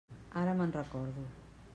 Ara me'n recordo.